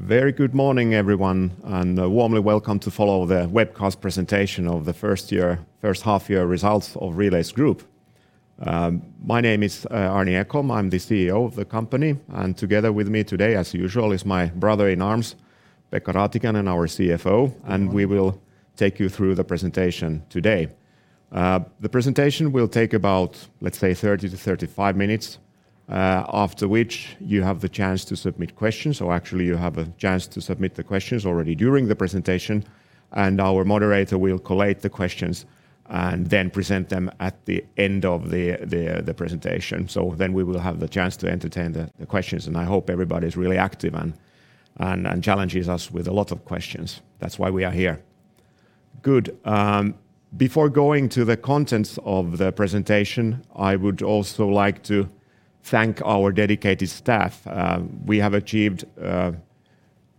Very good morning, everyone, and warmly welcome to follow the webcast presentation of the first half-year results of Relais Group. My name is Arni Ekholm. I'm the CEO of the company, and together with me today, as usual, is my brother-in-arms, Pekka Raatikainen, and our CFO. We will take you through the presentation today. The presentation will take about, let's say, 30 to 35 minutes, after which you have the chance to submit questions, or actually, you have a chance to submit the questions already during the presentation, and our moderator will collate the questions and then present them at the end of the presentation. We will have the chance to entertain the questions, and I hope everybody's really active and challenges us with a lot of questions. That's why we are here. Good. Before going to the contents of the presentation, I would also like to thank our dedicated staff. We have achieved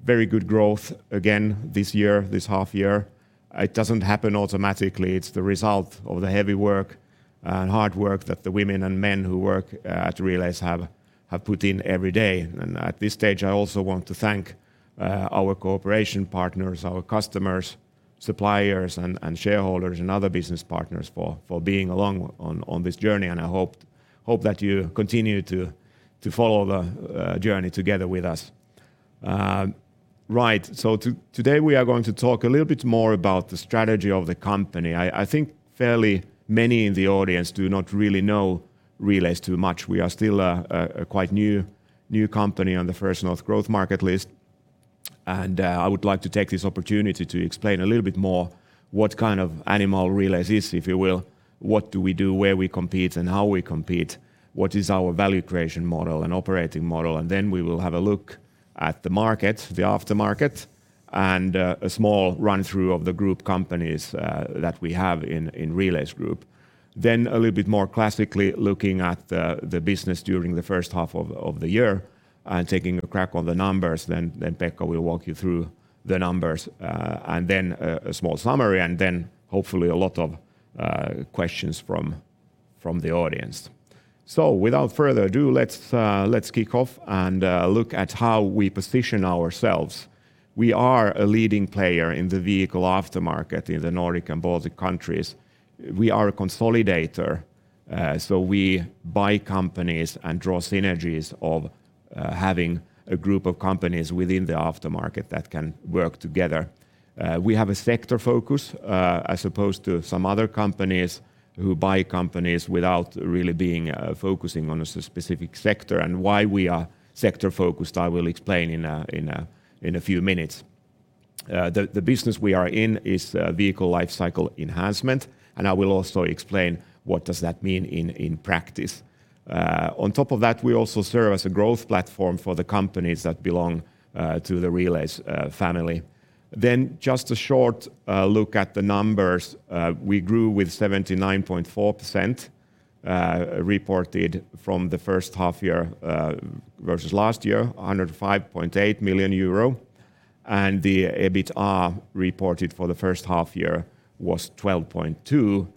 very good growth again this half year. It doesn't happen automatically. It's the result of the heavy work and hard work that the women and men who work at Relais have put in every day. At this stage, I also want to thank our cooperation partners, our customers, suppliers, and shareholders, and other business partners for being along on this journey, and I hope that you continue to follow the journey together with us. Right. Today we are going to talk a little bit more about the strategy of the company. I think fairly many in the audience do not really know Relais too much. We are still a quite new company on the First North Growth Market list, and I would like to take this opportunity to explain a little bit more what kind of animal Relais is, if you will. What do we do, where we compete, and how we compete, what is our value creation model and operating model, and then we will have a look at the market, the aftermarket, and a small run-through of the group companies that we have in Relais Group. A little bit more classically looking at the business during the first half of the year and taking a crack on the numbers. Pekka will walk you through the numbers, and then a small summary, and then hopefully a lot of questions from the audience. Without further ado, let's kick off and look at how we position ourselves. We are a leading player in the vehicle aftermarket in the Nordic and Baltic countries. We are a consolidator, we buy companies and draw synergies of having a group of companies within the aftermarket that can work together. We have a sector focus as opposed to some other companies who buy companies without really focusing on a specific sector. Why we are sector-focused, I will explain in a few minutes. The business we are in is vehicle lifecycle enhancement, I will also explain what does that mean in practice. On top of that, we also serve as a growth platform for the companies that belong to the Relais family. Just a short look at the numbers. We grew with 79.4%, reported from the first half-year versus last year, 105.8 million euro. The EBITDA reported for the first half year was 12.2.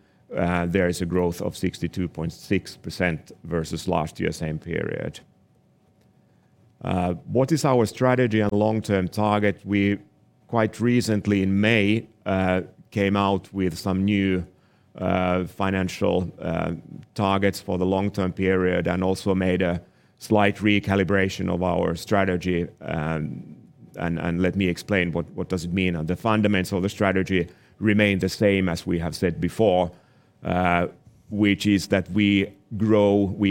There is a growth of 62.6% versus last year same period. What is our strategy and long-term target? We quite recently, in May, came out with some new financial targets for the long-term period and also made a slight recalibration of our strategy. Let me explain what does it mean? The fundamentals of the strategy remain the same as we have said before, which is that we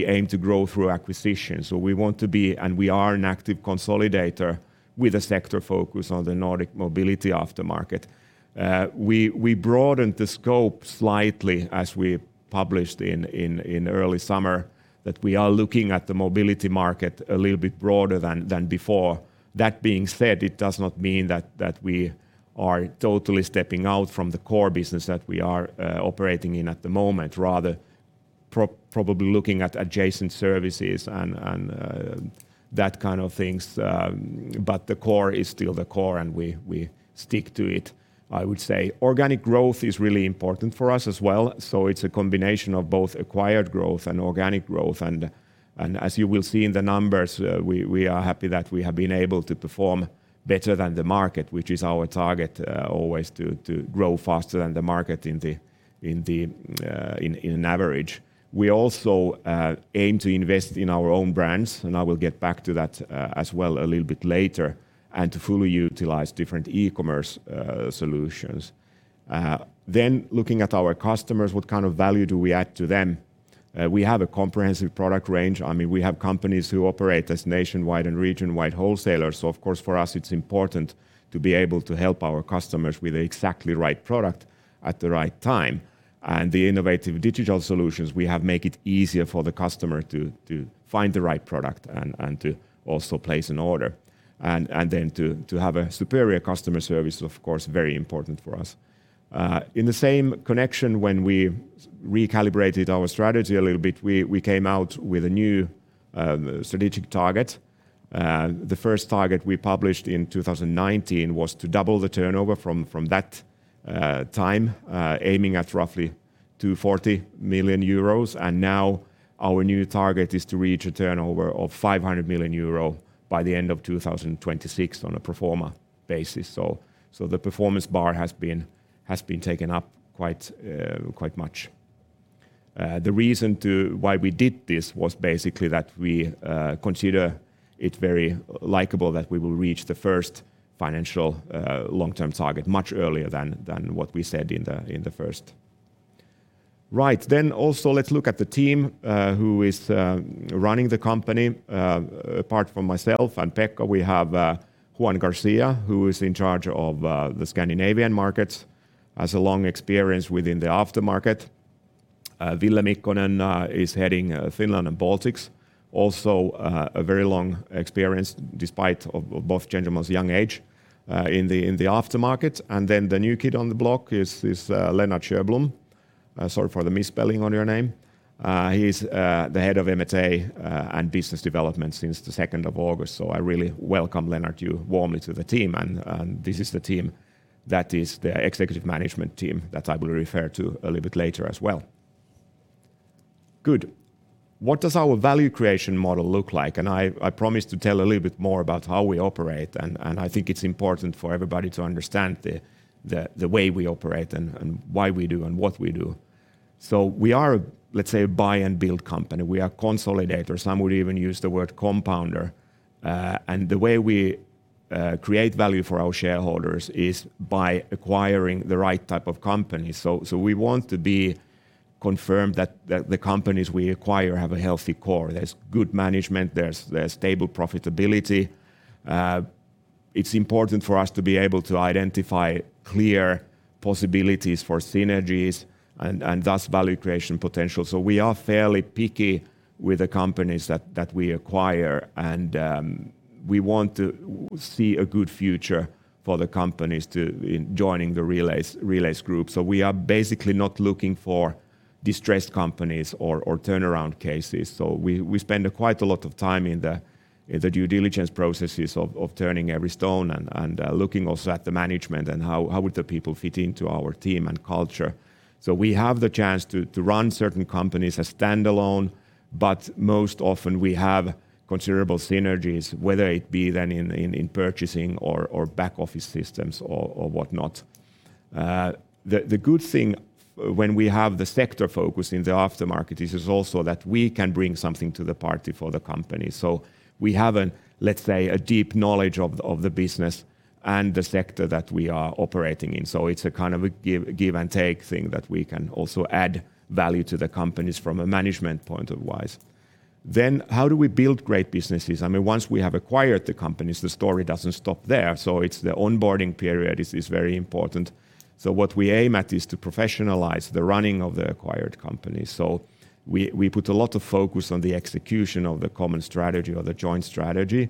aim to grow through acquisition. We want to be, and we are an active consolidator with a sector focus on the Nordic mobility aftermarket. We broadened the scope slightly as we published in early summer that we are looking at the mobility market a little bit broader than before. That being said, it does not mean that we are totally stepping out from the core business that we are operating in at the moment. Rather, probably looking at adjacent services and that kind of things, but the core is still the core, and we stick to it, I would say. Organic growth is really important for us as well, so it's a combination of both acquired growth and organic growth. As you will see in the numbers, we are happy that we have been able to perform better than the market, which is our target always to grow faster than the market in an average. We also aim to invest in our own brands, and I will get back to that as well a little bit later, and to fully utilize different e-commerce solutions. Looking at our customers, what kind of value do we add to them? We have a comprehensive product range. We have companies who operate as nationwide and region-wide wholesalers, of course, for us, it's important to be able to help our customers with the exactly right product at the right time. The innovative digital solutions we have make it easier for the customer to find the right product and to also place an order. To have a superior customer service is, of course, very important for us. In the same connection, when we recalibrated our strategy a little bit, we came out with a new strategic target. The first target we published in 2019 was to double the turnover from that time, aiming at roughly 40 million euros, and now our new target is to reach a turnover of 500 million euro by the end of 2026 on a pro forma basis. The performance bar has been taken up quite much. The reason why we did this was basically that we consider it very likely that we will reach the first financial long-term target much earlier than what we said in the first. Also, let's look at the team who is running the company. Apart from myself and Pekka, we have Juan Garcia, who is in charge of the Scandinavian markets, has a long experience within the aftermarket. Ville Mikkonen is heading Finland and Baltics. Also, a very long experience despite both gentlemen's young age in the aftermarket. The new kid on the block is Lennart Sjöblom. Sorry for the misspelling of your name. He's the head of M&A and business development since the 2nd of August, I really welcome Lennart warmly to the team. This is the team that is the Executive Management Team that I will refer to a little bit later as well. Good. What does our value creation model look like? I promised to tell a little bit more about how we operate, and I think it's important for everybody to understand the way we operate and why we do and what we do. We are, let's say, a buy and build company. We are consolidators. Some would even use the word compounder. The way we create value for our shareholders is by acquiring the right type of companies. We want to be confirmed that the companies we acquire have a healthy core. There's good management, there's stable profitability. It's important for us to be able to identify clear possibilities for synergies and thus value creation potential. We are fairly picky with the companies that we acquire, and we want to see a good future for the companies joining the Relais Group. We are basically not looking for distressed companies or turnaround cases. We spend quite a lot of time in the due diligence processes of turning every stone and looking also at the management and how would the people fit into our team and culture. We have the chance to run certain companies as standalone, but most often we have considerable synergies, whether it be then in purchasing or back office systems or whatnot. The good thing when we have the sector focus in the aftermarket is also that we can bring something to the party for the company. We have, let's say, a deep knowledge of the business and the sector that we are operating in. It's a kind of a give and take thing that we can also add value to the companies from a management point of wise. How do we build great businesses? Once we have acquired the companies, the story doesn't stop there. The onboarding period is very important. What we aim at is to professionalize the running of the acquired company. We put a lot of focus on the execution of the common strategy or the joint strategy,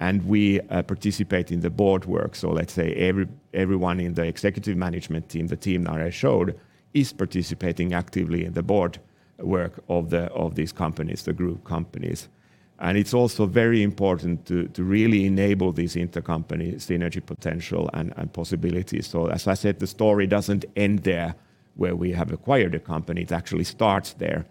and we participate in the board work. Let's say everyone in the executive management team, the team that I showed, is participating actively in the board work of these companies, the group companies. It's also very important to really enable these intercompany synergy potential and possibilities. As I said, the story doesn't end there where we have acquired a company. It actually starts there.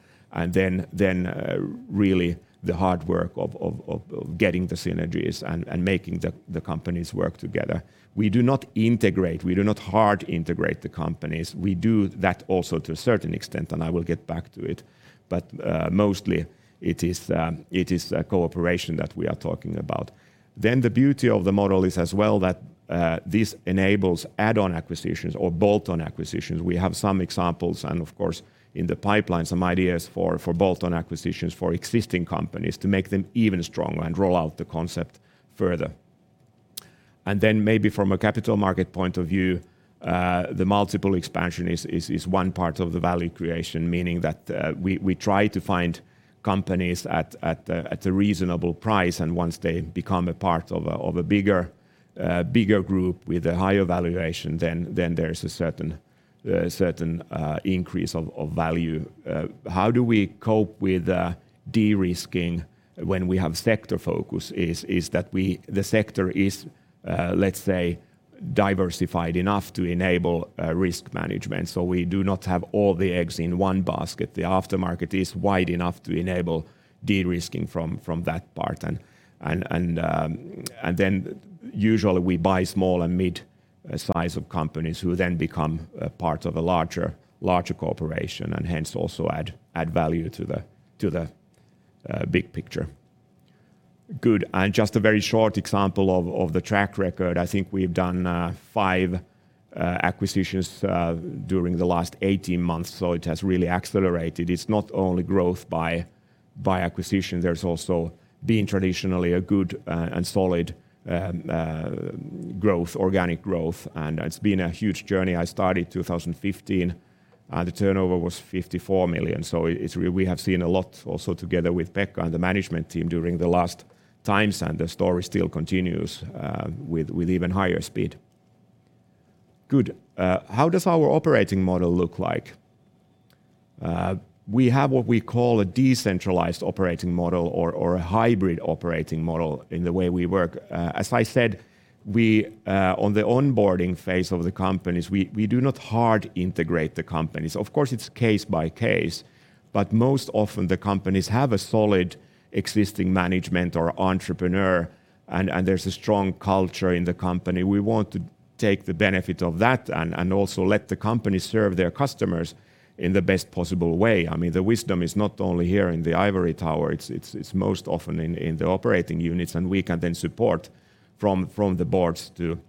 Really the hard work of getting the synergies and making the companies work together. We do not integrate. We do not hard integrate the companies. We do that also to a certain extent, and I will get back to it. Mostly it is a cooperation that we are talking about. The beauty of the model is as well that this enables add-on acquisitions or bolt-on acquisitions. We have some examples and of course in the pipeline, some ideas for bolt-on acquisitions for existing companies to make them even stronger and roll out the concept further. Maybe from a capital market point of view, the multiple expansion is one part of the value creation, meaning that we try to find companies at a reasonable price, and once they become a part of a bigger group with a higher valuation, then there's a certain increase of value. How do we cope with de-risking when we have sector focus is that the sector is, let's say, diversified enough to enable risk management. We do not have all the eggs in one basket. The aftermarket is wide enough to enable de-risking from that part. Usually we buy small and mid-size companies who then become a part of a larger corporation and hence also add value to the big picture. Good. Just a very short example of the track record. I think we've done five acquisitions during the last 18 months, so it has really accelerated. It's not only growth by acquisition, there's also been traditionally a good and solid organic growth, and it's been a huge journey. I started 2015, and the turnover was 54 million. We have seen a lot also together with Pekka and the management team during the last time, and the story still continues with even higher speed. Good. How does our operating model look like? We have what we call a decentralized operating model or a hybrid operating model in the way we work. As I said, on the onboarding phase of the companies, we do not hard integrate the companies. Of course, it's case by case, but most often the companies have a solid existing management or entrepreneur, and there's a strong culture in the company. We want to take the benefit of that and also let the company serve their customers in the best possible way. The wisdom is not only here in the ivory tower, it's most often in the operating units, and we can then support from the boards to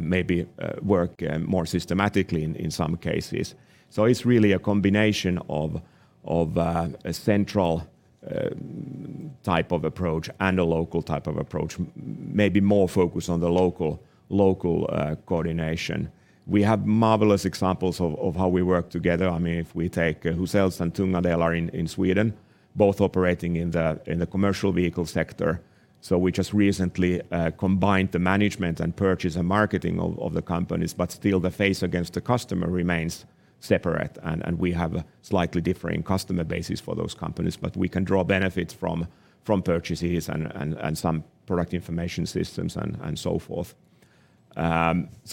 maybe work more systematically in some cases. It's really a combination of a central type of approach and a local type of approach. Maybe more focused on the local coordination. We have marvelous examples of how we work together. If we take Huzells and Tunga Delar in Sweden, both operating in the commercial vehicle sector. We just recently combined the management and purchase and marketing of the companies, but still the face against the customer remains separate, and we have a slightly differing customer basis for those companies. We can draw benefits from purchases and some product information systems and so forth.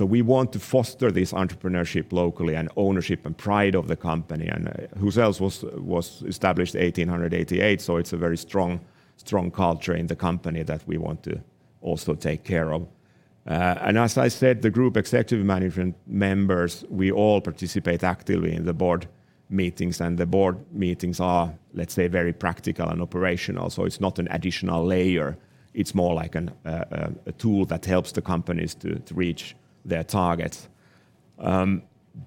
We want to foster this entrepreneurship locally and ownership and pride of the company. Huzells was established 1888, it's a very strong culture in the company that we want to also take care of. As I said, the group executive management members, we all participate actively in the board meetings, and the board meetings are, let's say, very practical and operational. It's not an additional layer. It's more like a tool that helps the companies to reach their targets.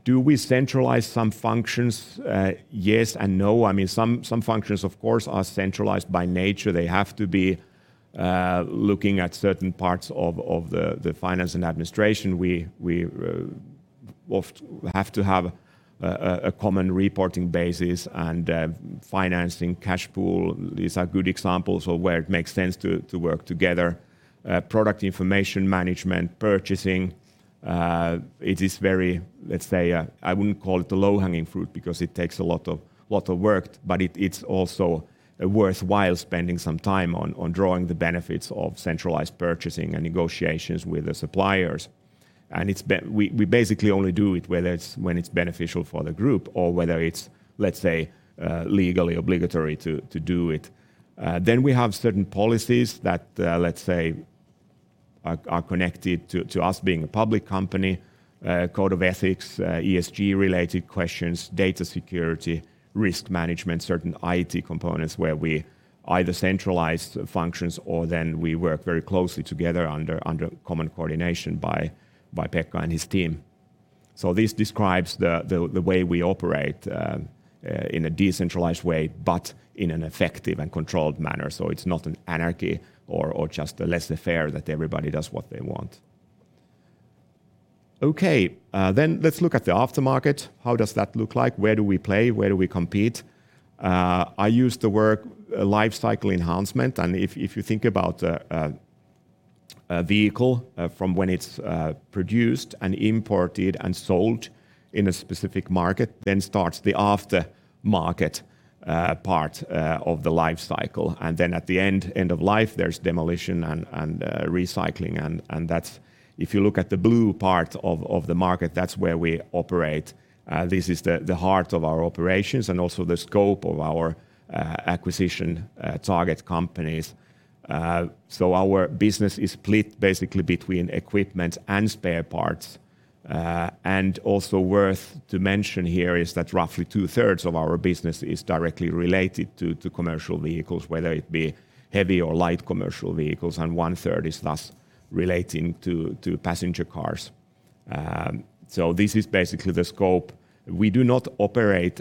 Do we centralize some functions? Yes and no. Some functions, of course, are centralized by nature. They have to be looking at certain parts of the finance and administration. We have to have a common reporting basis and financing cash pool. These are good examples of where it makes sense to work together. Product information management, purchasing, it is very, let's say, I wouldn't call it the low-hanging fruit because it takes a lot of work, but it's also worthwhile spending some time on drawing the benefits of centralized purchasing and negotiations with the suppliers. We basically only do it when it's beneficial for the group or whether it's, let's say, legally obligatory to do it. We have certain policies that, let's say, are connected to us being a public company, code of ethics, ESG-related questions, data security, risk management, certain IT components where we either centralize the functions or then we work very closely together under common coordination by Pekka and his team. This describes the way we operate in a decentralized way, but in an effective and controlled manner. It's not an anarchy or just a laissez-faire that everybody does what they want. Okay. Let's look at the aftermarket. How does that look like? Where do we play? Where do we compete? I use the word lifecycle enhancement. If you think about a vehicle from when it's produced and imported and sold in a specific market, then starts the aftermarket part of the life cycle. At the end of life, there's demolition and recycling. If you look at the blue part of the market, that's where we operate. This is the heart of our operations and also the scope of our acquisition target companies. Our business is split basically between equipment and spare parts. Also worth to mention here is that roughly two-thirds of our business is directly related to commercial vehicles, whether it be heavy or light commercial vehicles, and 1/3 is thus relating to passenger cars. This is basically the scope. We do not operate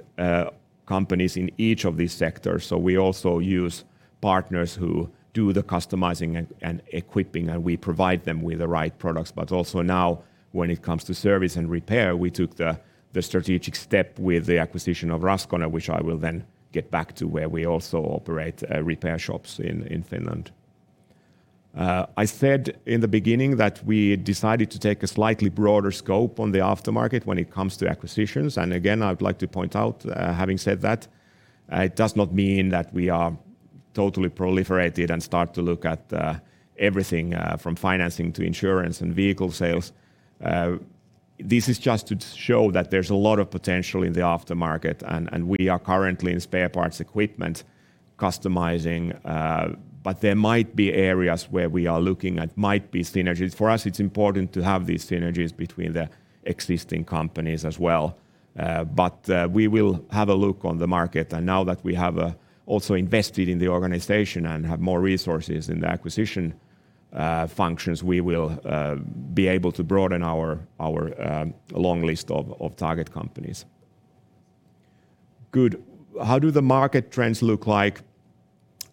companies in each of these sectors. We also use partners who do the customizing and equipping, and we provide them with the right products. Also now, when it comes to service and repair, we took the strategic step with the acquisition of Raskone, which I will then get back to, where we also operate repair shops in Finland. I said in the beginning that we decided to take a slightly broader scope on the aftermarket when it comes to acquisitions. Again, I would like to point out, having said that, it does not mean that we are totally proliferated and start to look at everything from financing to insurance and vehicle sales. This is just to show that there's a lot of potential in the aftermarket. We are currently in spare parts equipment customizing. There might be areas where we are looking at might be synergies. For us, it's important to have these synergies between the existing companies as well. We will have a look on the market. Now that we have also invested in the organization and have more resources in the acquisition functions, we will be able to broaden our long list of target companies. Good. How do the market trends look like?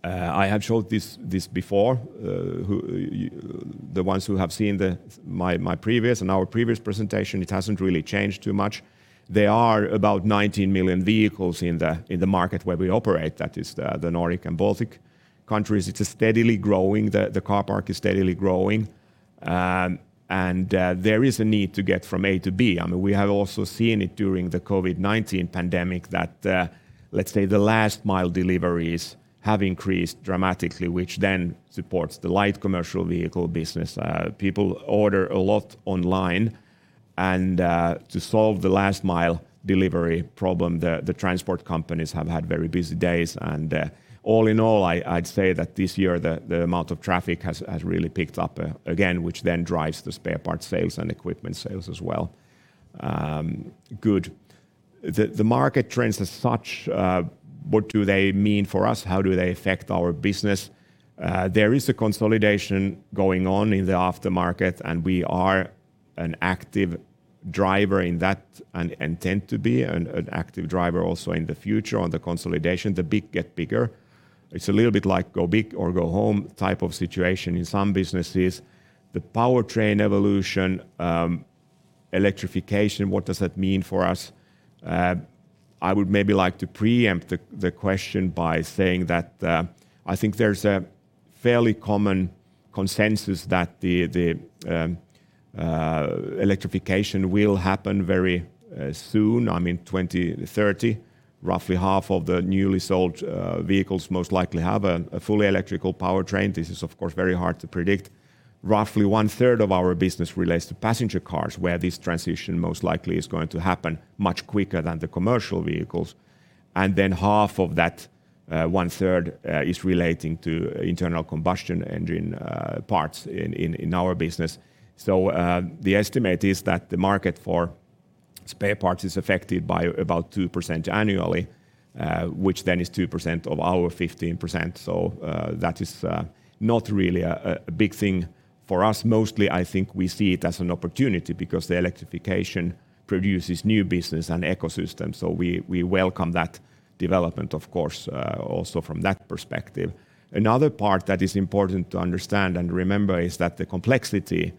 I have showed this before. The ones who have seen my previous and our previous presentation, it hasn't really changed too much. There are about 19 million vehicles in the market where we operate, that is the Nordic and Baltic countries. It is steadily growing. The car park is steadily growing. There is a need to get from A to B. We have also seen it during the COVID-19 pandemic that, let's say the last mile deliveries have increased dramatically, which supports the light commercial vehicle business. People order a lot online. To solve the last mile delivery problem, the transport companies have had very busy days, and all in all, I'd say that this year, the amount of traffic has really picked up again, which drives the spare parts sales and equipment sales as well. Good. The market trends as such, what do they mean for us? How do they affect our business? There is a consolidation going on in the aftermarket, we are an active driver in that and intend to be an active driver also in the future on the consolidation. The big get bigger. It's a little bit like go big or go home type of situation in some businesses. The powertrain evolution, electrification, what does that mean for us? I would maybe like to preempt the question by saying that I think there's a fairly common consensus that the electrification will happen very soon, 2030. Roughly half of the newly sold vehicles most likely have a fully electrical powertrain. This is, of course, very hard to predict. Roughly 1/3 of our business relates to passenger cars, where this transition most likely is going to happen much quicker than the commercial vehicles. Half of that 1/3 is relating to internal combustion engine parts in our business. The estimate is that the market for spare parts is affected by about 2% annually, which then is 2% of our 15%. That is not really a big thing for us. Mostly, I think we see it as an opportunity because the electrification produces new business and ecosystem. We welcome that development, of course, also from that perspective. Another part that is important to understand and remember is that the complexity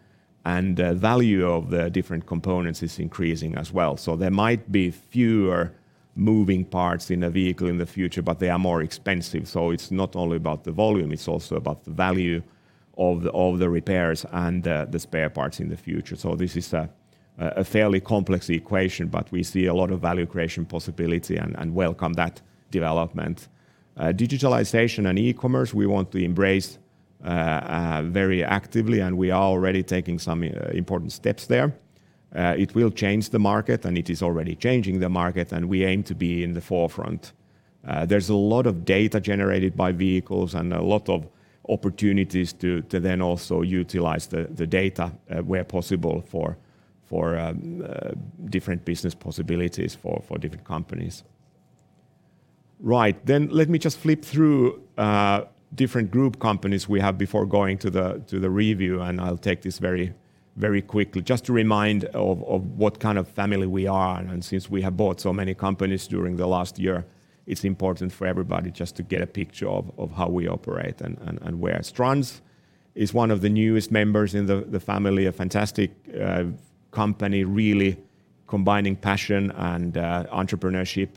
and value of the different components is increasing as well. There might be fewer moving parts in a vehicle in the future, but they are more expensive. It's not only about the volume, it's also about the value of the repairs and the spare parts in the future. This is a fairly complex equation, but we see a lot of value creation possibility and welcome that development. Digitalization and e-commerce we want to embrace very actively, and we are already taking some important steps there. It will change the market, and it is already changing the market, and we aim to be in the forefront. There's a lot of data generated by vehicles and a lot of opportunities to then also utilize the data where possible for different business possibilities for different companies. Right. Let me just flip through different group companies we have before going to the review, I'll take this very quickly. Just a reminder of what kind of family we are. Since we have bought so many companies during the last year, it's important for everybody just to get a picture of how we operate and where. Strands is one of the newest members in the family, a fantastic company, really combining passion and entrepreneurship,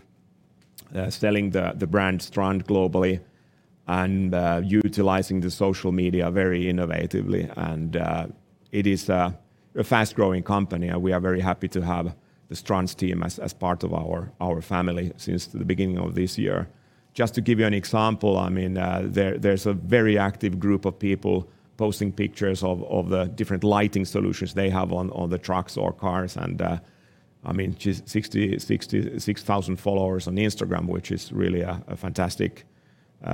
selling the brand Strands globally and utilizing the social media very innovatively. It is a fast-growing company. We are very happy to have the Strands team as part of our family since the beginning of this year. Just to give you an example, there's a very active group of people posting pictures of the different lighting solutions they have on the trucks or cars. Just 66,000 followers on Instagram, which is really a fantastic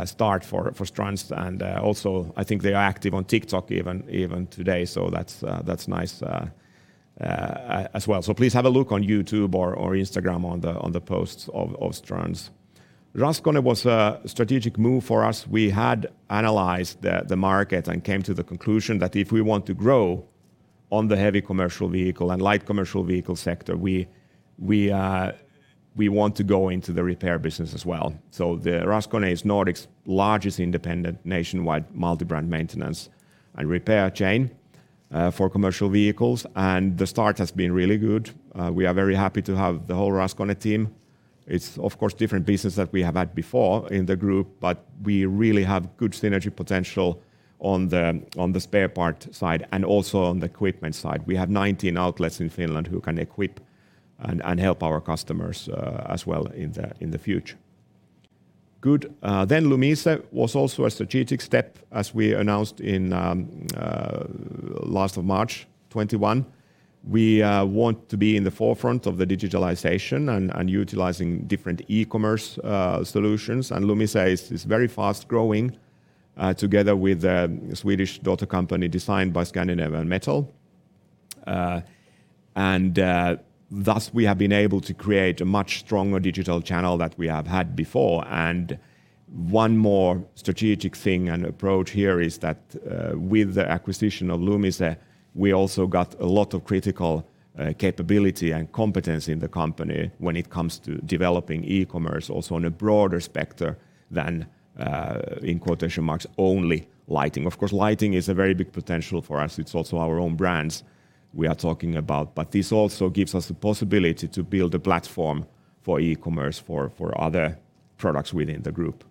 start for Strands. I think they are active on TikTok even today, so that's nice as well. Please have a look on YouTube or Instagram on the posts of Strands. Raskone was a strategic move for us. We had analyzed the market and came to the conclusion that if we want to grow on the heavy commercial vehicle and light commercial vehicle sector, we want to go into the repair business as well. The Raskone is Nordic's largest independent nationwide multi-brand maintenance and repair chain for commercial vehicles, and the start has been really good. We are very happy to have the whole Raskone team. It's of course, different business that we have had before in the group, but we really have good synergy potential on the spare part side and also on the equipment side. We have 19 outlets in Finland who can equip and help our customers as well in the future. Good. Lumise was also a strategic step, as we announced in last of March 2021. We want to be in the forefront of the digitalization and utilizing different e-commerce solutions. Lumise is very fast-growing, together with a Swedish daughter company, Design by Scandinavian Metal. Thus, we have been able to create a much stronger digital channel that we have had before. One more strategic thing and approach here is that with the acquisition of Lumise, we also got a lot of critical capability and competence in the company when it comes to developing e-commerce also on a broader spectrum than, in quotation marks, "only lighting." Of course, lighting is a very big potential for us. It's also our own brands we are talking about. This also gives us the possibility to build a platform for e-commerce for other products within the group.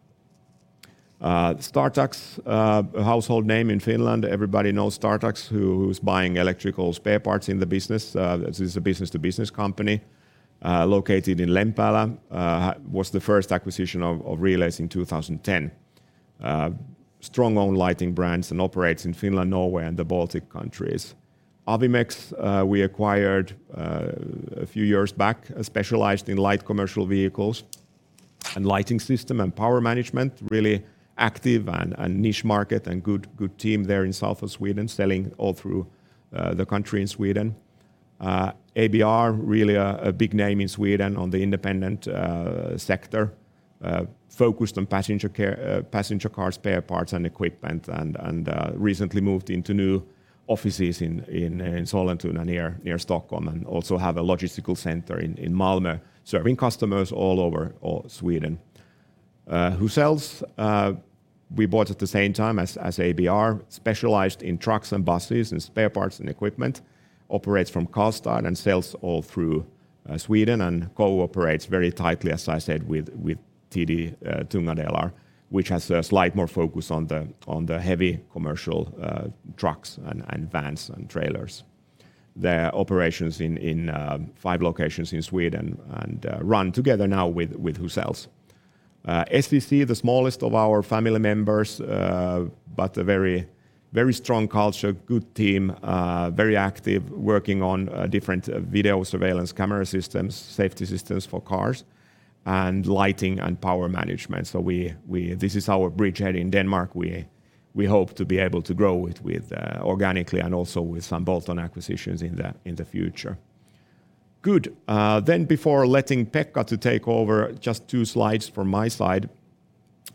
Startax, a household name in Finland. Everybody knows Startax, who's buying electrical spare parts in the business. This is a business-to-business company located in Lempäälä, was the first acquisition of Relais in 2010. Strong own lighting brands and operates in Finland, Norway, and the Baltic countries. Awimex, we acquired a few years back, specialized in light commercial vehicles and lighting system and power management. Really active and niche market, and good team there in south of Sweden, selling all through the country in Sweden. ABR, really a big name in Sweden on the independent sector, focused on passenger cars spare parts and equipment, and recently moved into new offices in Sollentuna near Stockholm, and also have a logistical center in Malmö, serving customers all over Sweden. Huzells, we bought at the same time as ABR, specialized in trucks and buses and spare parts and equipment. Operates from Karlstad and sells all through Sweden and cooperates very tightly, as I said, with TD Tunga Delar, which has a slight more focus on the heavy commercial trucks and vans and trailers. Their operations in five locations in Sweden and run together now with Huzells. SEC, the smallest of our family members, but a very strong culture, good team, very active, working on different video surveillance camera systems, safety systems for cars, and lighting and power management. This is our bridge head in Denmark. We hope to be able to grow organically and also with some bolt-on acquisitions in the future. Good. Before letting Pekka to take over, just two slides from my side.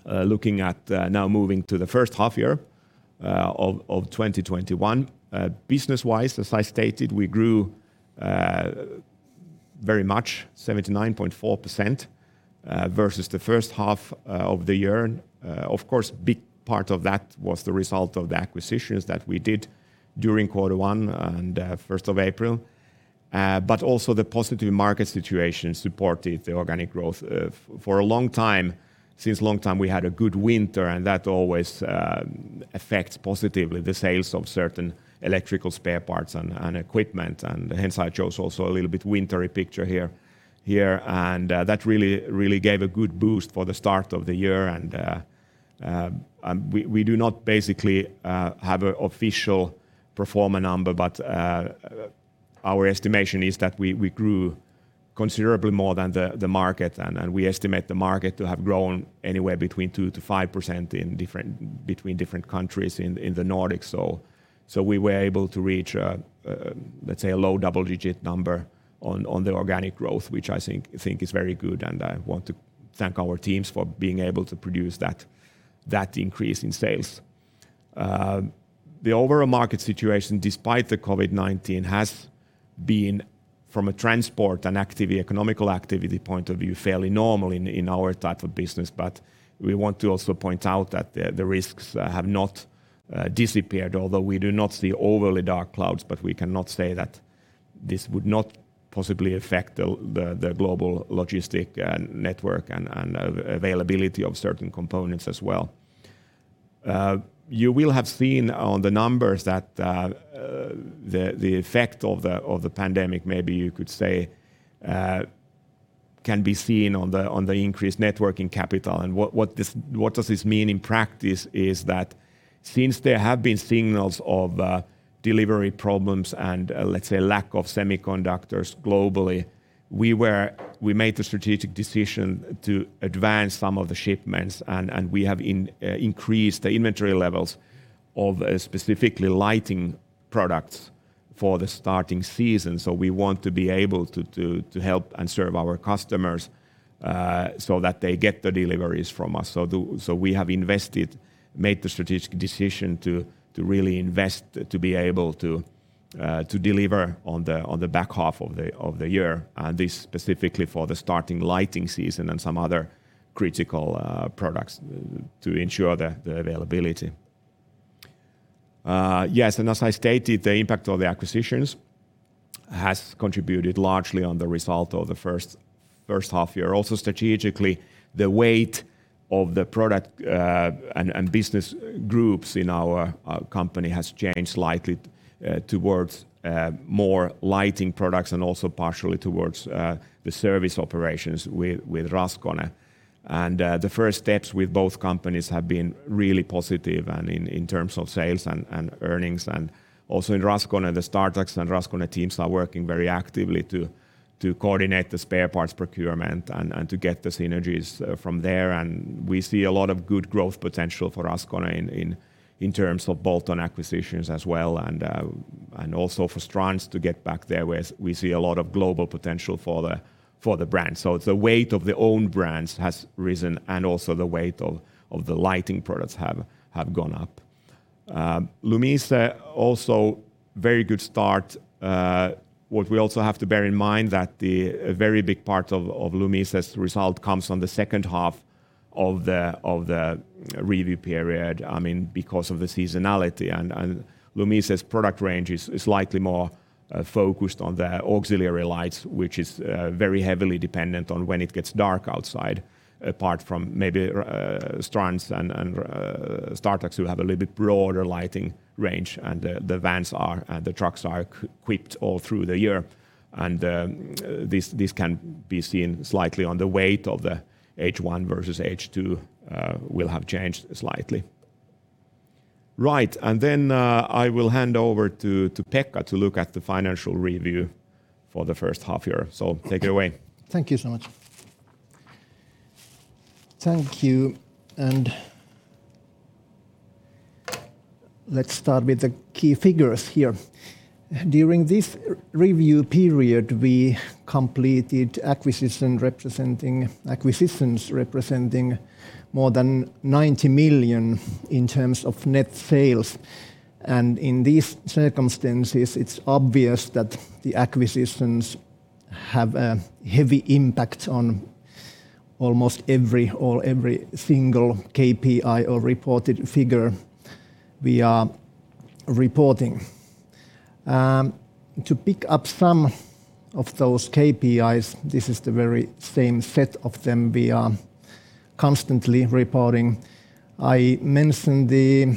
Looking at now moving to the first half year of 2021. Business-wise, as I stated, we grew very much, 79.4%, versus the first half of the year. Of course, a big part of that was the result of the acquisitions that we did during quarter one and 1st of April, but also the positive market situation supported the organic growth. For a long time, since a long time we had a good winter, and that always affects positively the sales of certain electrical spare parts and equipment, and hence I chose also a little bit wintery picture here. That really gave a good boost for the start of the year. We do not basically have an official pro forma number, but our estimation is that we grew considerably more than the market, and we estimate the market to have grown anywhere between 2%-5% between different countries in the Nordics. We were able to reach, let's say, a low double-digit number on the organic growth, which I think is very good, and I want to thank our teams for being able to produce that increase in sales. The overall market situation, despite the COVID-19, has been, from a transport and economic activity point of view, fairly normal in our type of business. We want to also point out that the risks have not disappeared, although we do not see overly dark clouds, but we cannot say that this would not possibly affect the global logistics network and availability of certain semiconductors as well. You will have seen on the numbers that the effect of the pandemic, maybe you could say, can be seen on the increased net working capital. What does this mean in practice is that since there have been signals of delivery problems and, let's say, lack of semiconductors globally, we made the strategic decision to advance some of the shipments, and we have increased the inventory levels of specifically lighting products for the starting season. We want to be able to help and serve our customers, so that they get the deliveries from us. We have made the strategic decision to really invest, to be able to deliver on the back half of the year, and this specifically for the starting lighting season and some other critical products to ensure the availability. As I stated, the impact of the acquisitions has contributed largely on the result of the first half year. Strategically, the weight of the product and business groups in our company has changed slightly towards more lighting products and also partially towards the service operations with Raskone. The first steps with both companies have been really positive and in terms of sales and earnings. Also in Raskone, the Startax and Raskone teams are working very actively to coordinate the spare parts procurement and to get the synergies from there. We see a lot of good growth potential for Raskone in terms of bolt-on acquisitions as well and also for Strands to get back there, where we see a lot of global potential for the brand. The weight of the own brands has risen, and also the weight of the lighting products have gone up. Lumise, also very good start. What we also have to bear in mind that a very big part of Lumise's result comes on the second half of the review period, because of the seasonality. Lumise's product range is slightly more focused on the auxiliary lights, which is very heavily dependent on when it gets dark outside, apart from maybe Strands and Startax who have a little bit broader lighting range, and the trucks are equipped all through the year. This can be seen slightly on the weight of the H1 versus H2, will have changed slightly. Right. I will hand over to Pekka to look at the financial review for the first half year. Take it away. Thank you so much. Thank you. Let's start with the key figures here. During this review period, we completed acquisitions representing more than 90 million in terms of net sales. In these circumstances, it's obvious that the acquisitions have a heavy impact on almost every, or every single KPI or reported figure we are reporting. To pick up some of those KPIs, this is the very same set of them we are constantly reporting. I mentioned the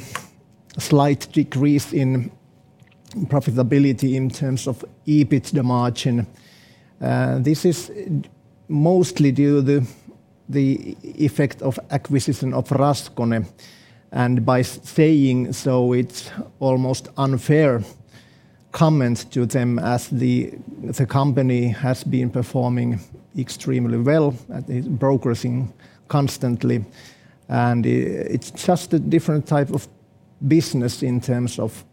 slight decrease in profitability in terms of EBIT, the margin. This is mostly due to the effect of acquisition of Raskone, and by saying so, it's almost unfair comments to them as the company has been performing extremely well and is progressing constantly. It's just a different type of business in terms of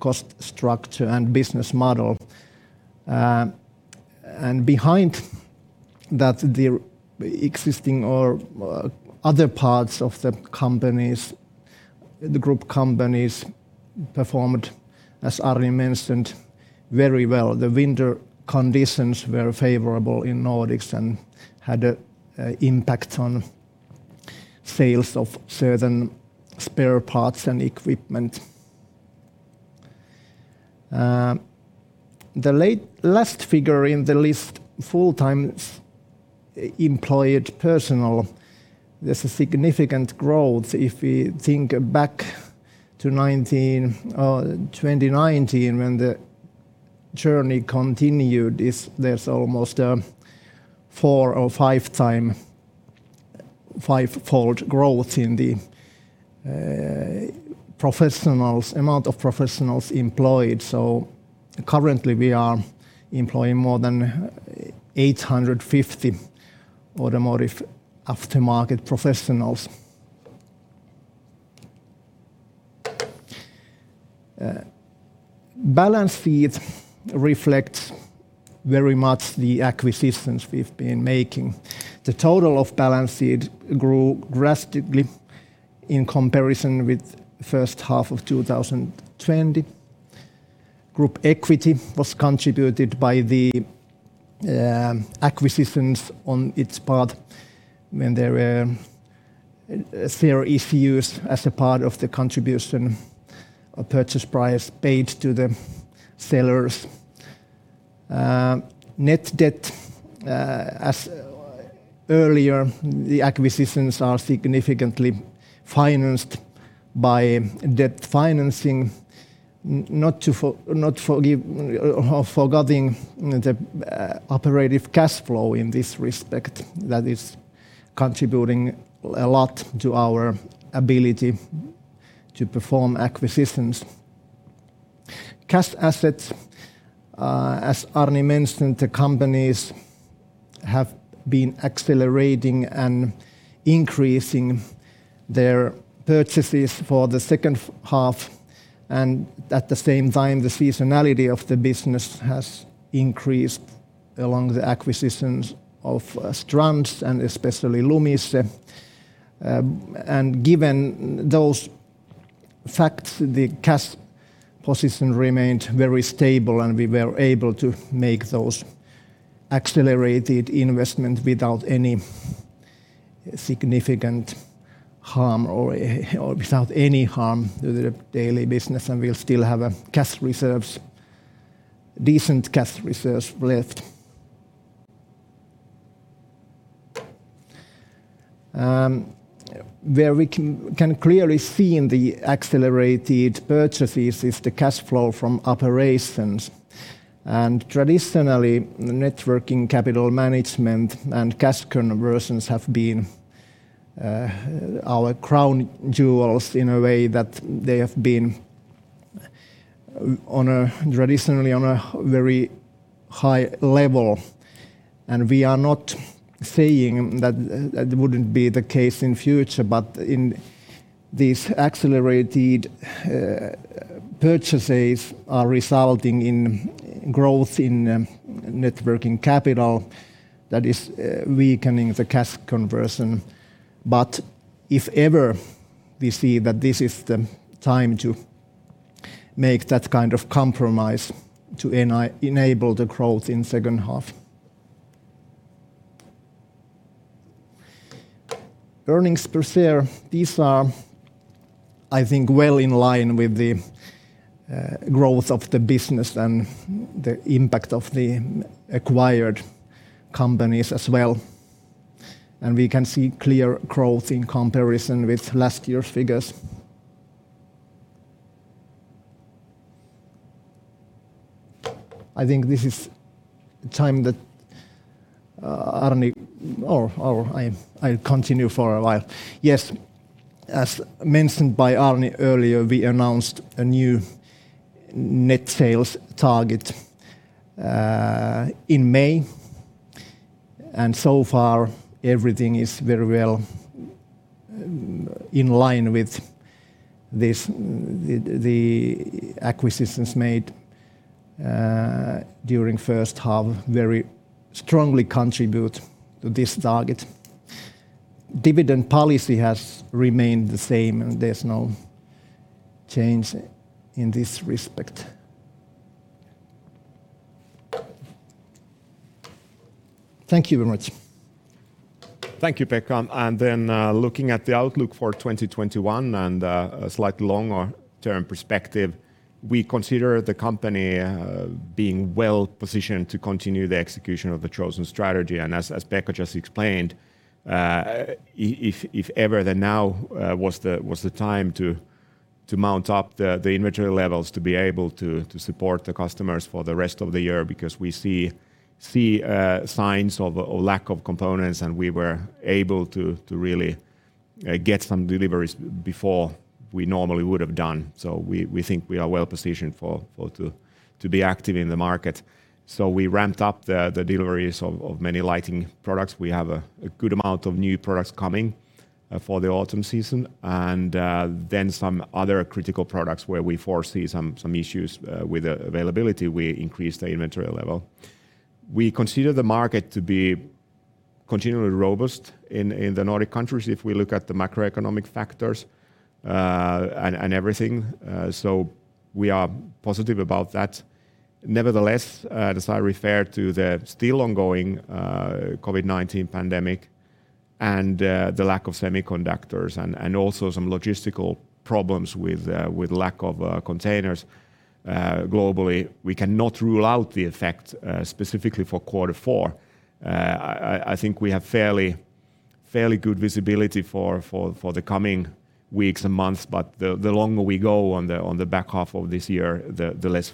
cost structure and business model. Behind that, other parts of the group companies performed, as Arni mentioned, very well. The winter conditions were favorable in Nordics and had an impact on sales of certain spare parts and equipment. The last figure in the list, full-time employed personnel. There's a significant growth if we think back to 2019 when the journey continued. There's almost a four or five-fold growth in the amount of professionals employed. Currently we are employing more than 850 automotive aftermarket professionals. Balance sheet reflects very much the acquisitions we've been making. The total of balance sheet grew drastically in comparison with first half of 2020. Group equity was contributed by the acquisitions on its part when there were share issues as a part of the contribution or purchase price paid to the sellers. Net debt, as earlier, the acquisitions are significantly financed by debt financing, not forgetting the operative cash flow in this respect. That is contributing a lot to our ability to perform acquisitions. Cash assets, as Arni mentioned, the companies have been accelerating and increasing their purchases for the second half, and at the same time, the seasonality of the business has increased along the acquisitions of Strands and especially Lumise. Given those facts, the cash position remained very stable, and we were able to make those accelerated investment without any significant harm or without any harm to the daily business. We still have decent cash reserves left. Where we can clearly see in the accelerated purchases is the cash flow from operations. Traditionally, the net working capital management and cash conversions have been our crown jewels in a way that they have been traditionally on a very high level. We are not saying that that wouldn't be the case in future, but in these accelerated purchases are resulting in growth in net working capital that is weakening the cash conversion. If ever we see that this is the time to make that kind of compromise to enable the growth in H2 earnings per share. These are, I think, well in line with the growth of the business and the impact of the acquired companies as well. We can see clear growth in comparison with last year's figures. I think this is the time that Arni or I'll continue for a while. Yes, as mentioned by Arni earlier, we announced a new net sales target in May, and so far everything is very well in line with this. The acquisitions made during the first half very strongly contribute to this target. Dividend policy has remained the same, and there's no change in this respect. Thank you very much. Thank you, Pekka. Looking at the outlook for 2021 and a slightly longer-term perspective, we consider the company being well-positioned to continue the execution of the chosen strategy. As Pekka just explained, if ever, then now was the time to mount up the inventory levels to be able to support the customers for the rest of the year, because we see signs of a lack of components, and we were able to really get some deliveries before we normally would have done. We think we are well-positioned to be active in the market. We ramped up the deliveries of many lighting products. We have a good amount of new products coming for the autumn season. Some other critical products where we foresee some issues with availability, we increased the inventory level. We consider the market to be continually robust in the Nordic countries if we look at the macroeconomic factors and everything. We are positive about that. Nevertheless, as I referred to the still ongoing COVID-19 pandemic and the lack of semiconductors and also some logistical problems with lack of containers globally, we cannot rule out the effect, specifically for quarter four. I think we have fairly good visibility for the coming weeks and months, but the longer we go on the back half of this year, the less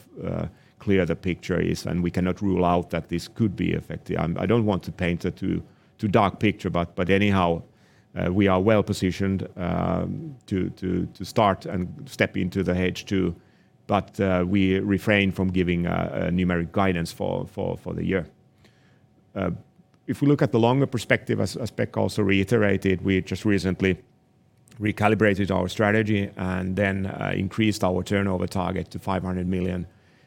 clear the picture is, and we cannot rule out that this could be affected. I don't want to paint too dark picture, but anyhow, we are well-positioned to start and step into the H2. We refrain from giving a numeric guidance for the year. If we look at the longer perspective, as Pekka also reiterated, we just recently recalibrated our strategy and then increased our turnover target to 500 million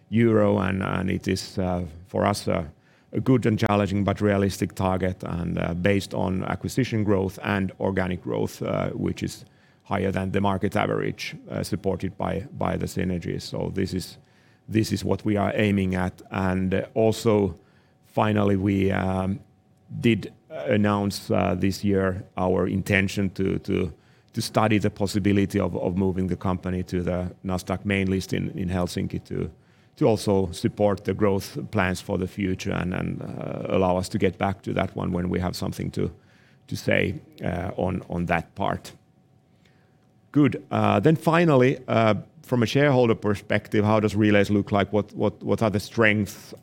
euro, and it is, for us, a good and challenging but realistic target and based on acquisition growth and organic growth, which is higher than the market's average, supported by the synergies. This is what we are aiming at. Also, finally, we did announce this year our intention to study the possibility of moving the company to the Nasdaq Main List in Helsinki to also support the growth plans for the future and allow us to get back to that one when we have something to say on that part. Good. Finally, from a shareholder perspective, how does Relais look like? What are the strengths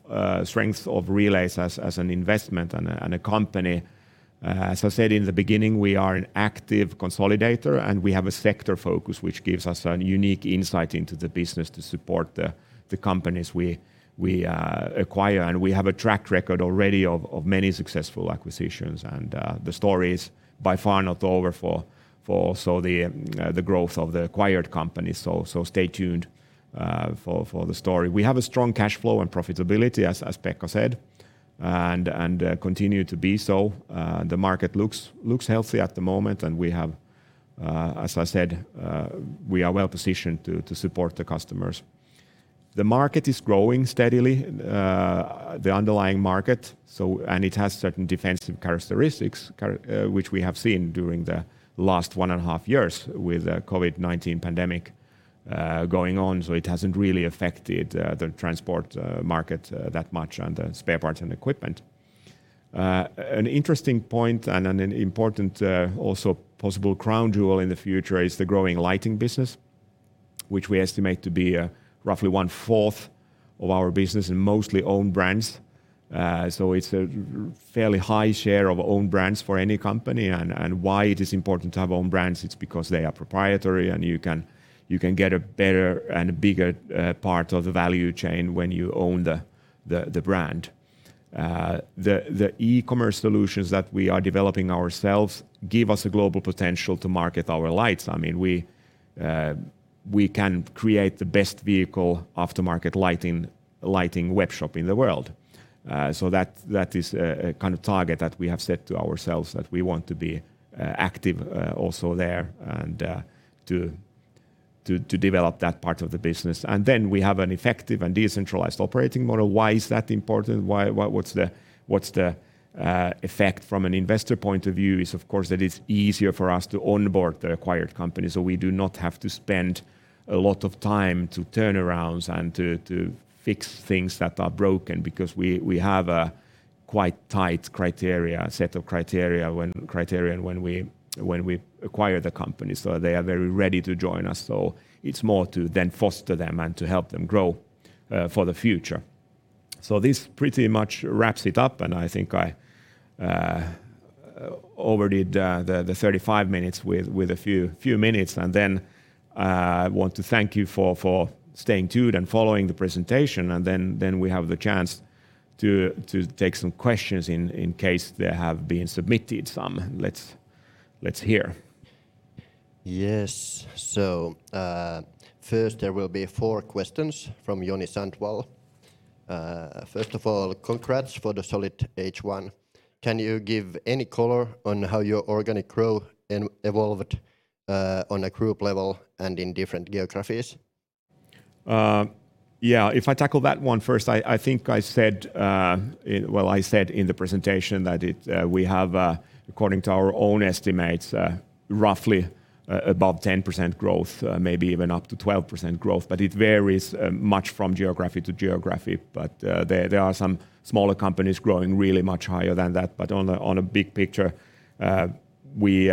of Relais as an investment and a company? As I said in the beginning, we are an active consolidator, and we have a sector focus, which gives us a unique insight into the business to support the companies we acquire. We have a track record already of many successful acquisitions, and the story is by far not over for also the growth of the acquired companies. Stay tuned for the story. We have a strong cash flow and profitability, as Pekka said, and continue to be so. The market looks healthy at the moment, and we have, as I said, we are well-positioned to support the customers. The market is growing steadily, the underlying market, and it has certain defensive characteristics, which we have seen during the last one and a half years with the COVID-19 pandemic going on. It hasn't really affected the transport market that much and the spare parts and equipment. An interesting point and an important also possible crown jewel in the future is the growing lighting business, which we estimate to be roughly one-fourth of our business and mostly own brands. It's a fairly high share of own brands for any company, and why it is important to have own brands, it's because they are proprietary, and you can get a better and bigger part of the value chain when you own the brand. The e-commerce solutions that we are developing ourselves give us a global potential to market our lights. We can create the best vehicle aftermarket lighting web shop in the world. That is a kind of target that we have set to ourselves that we want to be active also there and to develop that part of the business. Then we have an effective and decentralized operating model. Why is that important? What's the effect from an investor point of view is, of course, that it's easier for us to onboard the acquired company, so we do not have to spend a lot of time to turn around and to fix things that are broken because we have a quite tight set of criteria when we acquire the company. They are very ready to join us. It's more to then foster them and to help them grow for the future. This pretty much wraps it up, and I think I overdid the 35 minutes with a few minutes. I want to thank you for staying tuned and following the presentation, and then we have the chance to take some questions in case there have been submitted some. Let's hear. Yes. First there will be four questions from [Joni Sandvall]. "First of all, congrats for the solid H1. Can you give any color on how your organic growth evolved on a group level and in different geographies? If I tackle that one first, I think I said in the presentation that we have, according to our own estimates, roughly about 10% growth, maybe even up to 12% growth, but it varies much from geography to geography. There are some smaller companies growing really much higher than that. On a big picture, we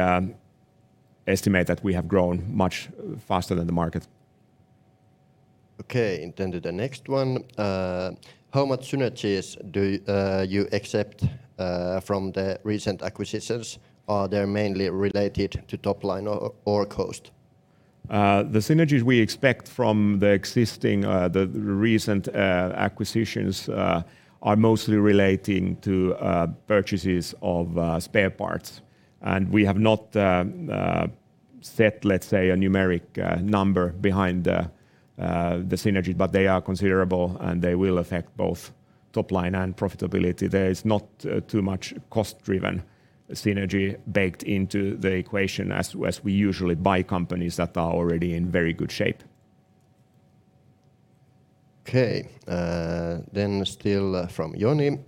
estimate that we have grown much faster than the market. Okay, to the next one. How much synergies do you expect from the recent acquisitions? Are they mainly related to top line or cost? The synergies we expect from the recent acquisitions are mostly relating to purchases of spare parts. We have not set, let's say, a numeric number behind the synergy, but they are considerable, and they will affect both top line and profitability. There is not too much cost-driven synergy baked into the equation as we usually buy companies that are already in very good shape. Okay. Still from [Joni].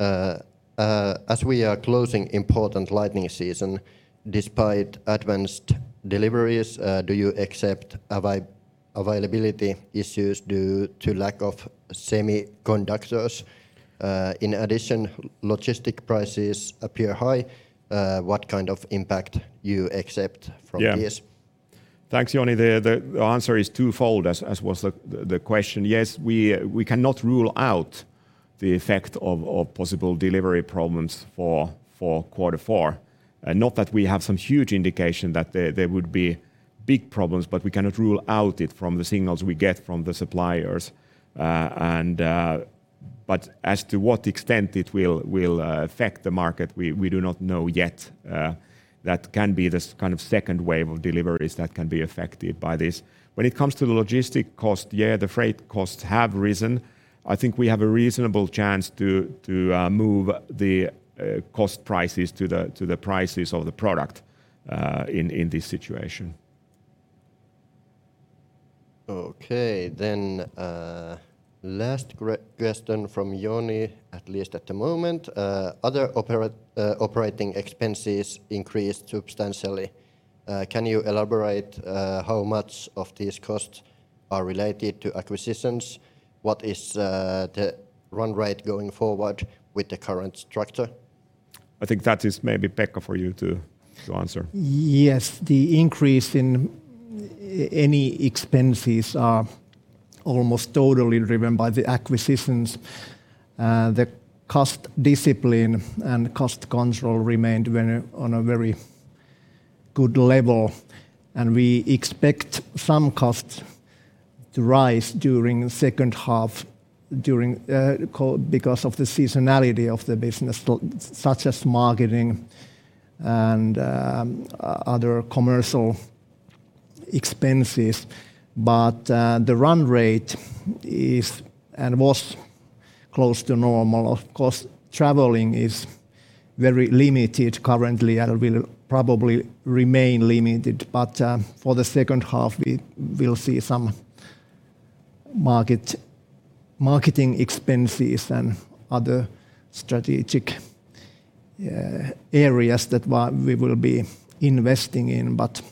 "As we are closing important lighting season, despite advanced deliveries, do you expect availability issues due to lack of semiconductors? In addition, logistics prices appear high. What kind of impact you expect from this? Yeah. Thanks, [Joni]. The answer is twofold, as was the question. Yes, we cannot rule out the effect of possible delivery problems for quarter four. Not that we have some huge indication that there would be big problems, but we cannot rule out it from the signals we get from the suppliers. As to what extent it will affect the market, we do not know yet. That can be the kind of second wave of deliveries that can be affected by this. When it comes to the logistic cost, yeah, the freight costs have risen. I think we have a reasonable chance to move the cost prices to the prices of the product in this situation. Okay, last question from [Joni], at least at the moment. "Other operating expenses increased substantially. Can you elaborate how much of these costs are related to acquisitions? What is the run rate going forward with the current structure? I think that is maybe, Pekka, for you to answer. Yes. The increase in any expenses are almost totally driven by the acquisitions. The cost discipline and cost control remained on a very good level, and we expect some costs to rise during second half because of the seasonality of the business, such as marketing and other commercial expenses. The run rate is and was close to normal. Of course, traveling is very limited currently and will probably remain limited. For the second half, we'll see some marketing expenses and other strategic areas that we will be investing in, but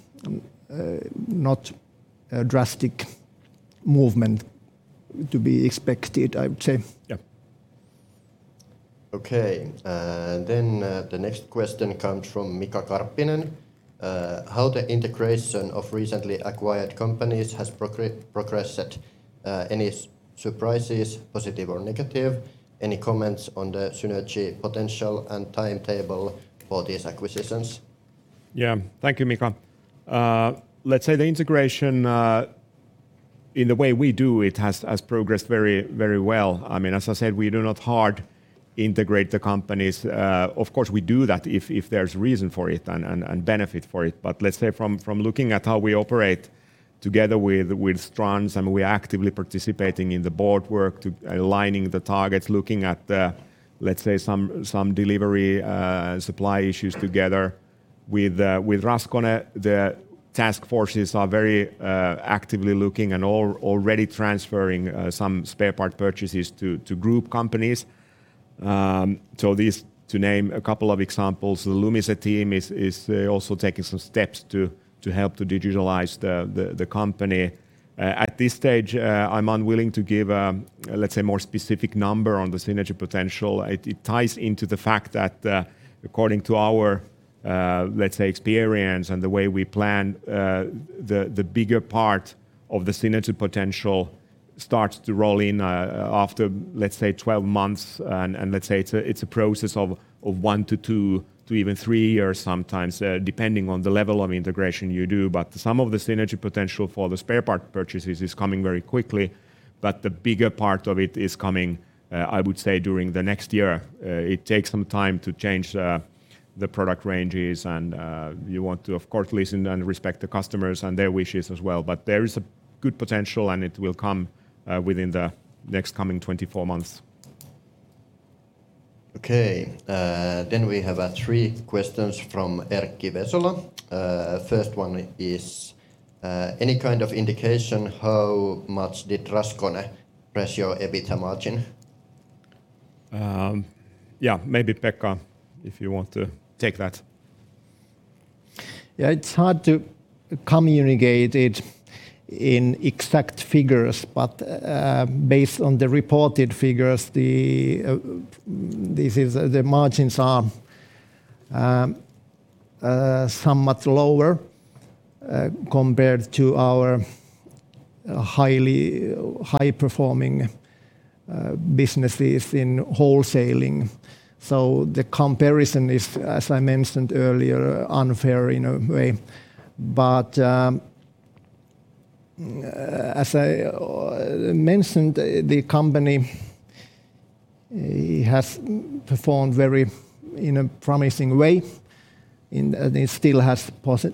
not a drastic movement to be expected, I would say. Yeah. Okay. The next question comes from [Mika Karppinen]. "How the integration of recently acquired companies has progressed? Any surprises, positive or negative? Any comments on the synergy potential and timetable for these acquisitions? Yeah. Thank you, [Mika]. Let's say the integration, in the way we do it, has progressed very well. As I said, we do not hard integrate the companies. Of course, we do that if there's reason for it and benefit for it. Let's say from looking at how we operate together with Strands and we actively participating in the board work to aligning the targets, looking at the, let's say, some delivery supply issues together with Raskone, the task forces are very actively looking and already transferring some spare part purchases to group companies. To name a couple of examples, the Lumise team is also taking some steps to help to digitalize the company. At this stage, I'm unwilling to give a more specific number on the synergy potential. It ties into the fact that according to our experience and the way we plan, the bigger part of the synergy potential starts to roll in after 12 months. It's a process of one to two to even three years sometimes, depending on the level of integration you do. Some of the synergy potential for the spare part purchases is coming very quickly, but the bigger part of it is coming, I would say, during the next year. It takes some time to change the product ranges, and you want to, of course, listen and respect the customers and their wishes as well. There is a good potential, and it will come within the next coming 24 months. Okay. We have three questions from [Erkki Vesola]. First one is: Any kind of indication how much did Raskone press your EBITDA margin? Maybe Pekka, if you want to take that. Yeah. It's hard to communicate it in exact figures, but based on the reported figures, the margins are somewhat lower compared to our high-performing businesses in wholesaling. The comparison is, as I mentioned earlier, unfair in a way. As I mentioned, the company has performed in a very promising way, and it still has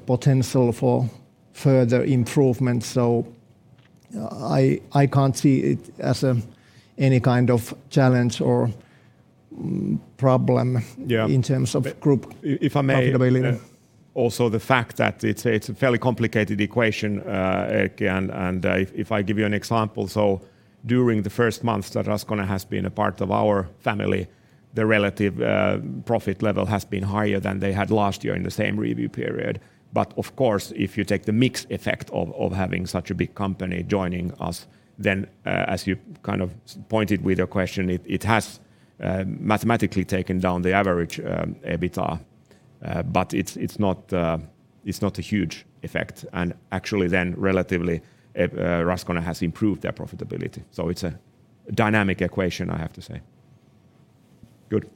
potential for further improvement. I can't see it as any kind of challenge or problem- Yeah in terms of group- If I may. profitability. The fact that it's a fairly complicated equation, [Erkki], if I give you an example. During the first months that Raskone has been a part of our family, the relative profit level has been higher than they had last year in the same review period. Of course, if you take the mix effect of having such a big company joining us, as you pointed with your question, it has mathematically taken down the average EBITDA. It's not a huge effect. Actually, relatively, Raskone has improved their profitability. It's a dynamic equation, I have to say. Good.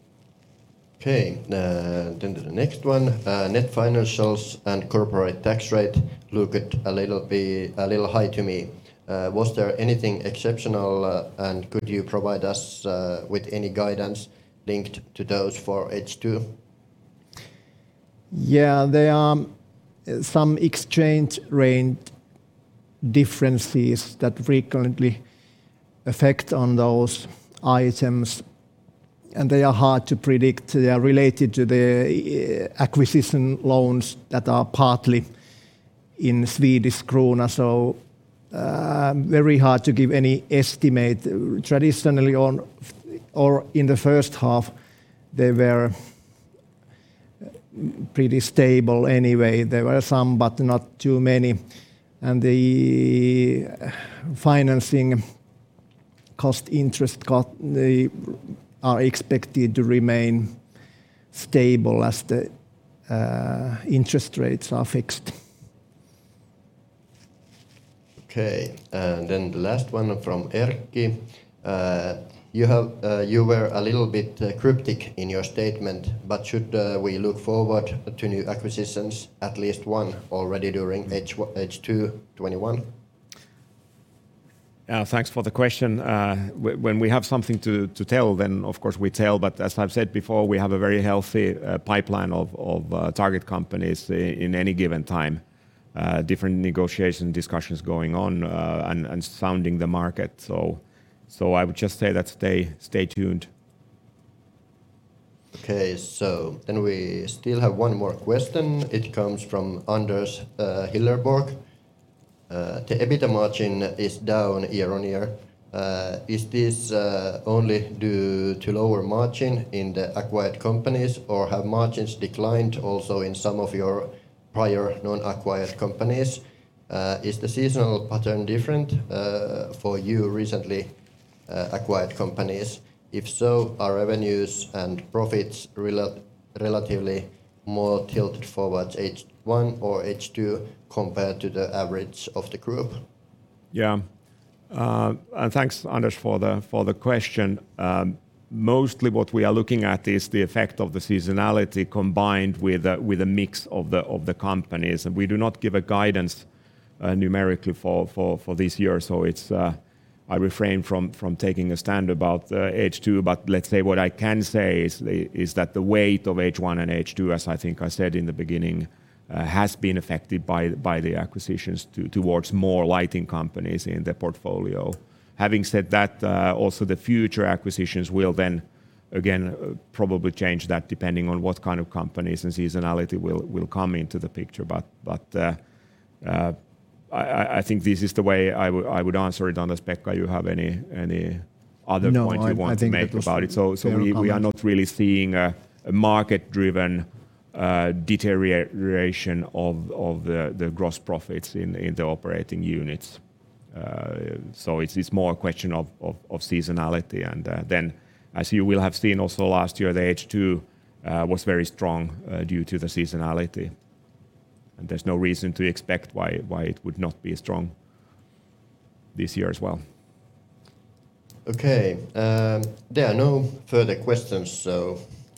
Okay, to the next one. Net financials and corporate tax rate look a little high to me. Was there anything exceptional, could you provide us with any guidance linked to those for H2? Yeah. There are some exchange rate differences that frequently affect those items, and they are hard to predict. They are related to the acquisition loans that are partly in Swedish krona, so very hard to give any estimate. Traditionally, or in the first half, they were pretty stable anyway. There were some, but not too many, and the financing cost, interest are expected to remain stable as the interest rates are fixed. Okay, the last one from[Erkki]. You were a little bit cryptic in your statement. Should we look forward to new acquisitions, at least one already during H2 2021? Thanks for the question. When we have something to tell, then of course we tell, but as I've said before, we have a very healthy pipeline of target companies in any given time, different negotiation discussions going on and sounding the market. I would just say stay tuned. Okay. We still have one more question. It comes from [Anders Hillerborg]. The EBITDA margin is down year-on-year. Is this only due to lower margin in the acquired companies, or have margins declined also in some of your prior non-acquired companies? Is the seasonal pattern different for your recently acquired companies? If so, are revenues and profits relatively more tilted towards H1 or H2 compared to the average of the group? Thanks, [Anders], for the question. Mostly what we are looking at is the effect of the seasonality combined with a mix of the companies. We do not give a guidance numerically for this year, so I refrain from taking a stand about H2. What I can say is that the weight of H1 and H2, as I think I said in the beginning, has been affected by the acquisitions towards more lighting companies in the portfolio. Having said that, also the future acquisitions will then again probably change that depending on what kind of companies and seasonality will come into the picture. I think this is the way I would answer it, [Anders]. Pekka, you have any other points you want to make about it? No, I think that was- We are not really seeing a market-driven deterioration of the gross profits in the operating units. It's more a question of seasonality. Then as you will have seen also last year, the H2 was very strong due to the seasonality. There's no reason to expect why it would not be strong this year as well. Okay. There are no further questions.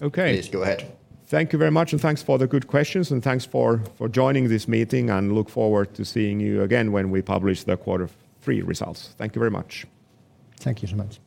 Okay Please go ahead. Thank you very much, and thanks for the good questions, and thanks for joining this meeting, and look forward to seeing you again when we publish the quarter three results. Thank you very much. Thank you so much.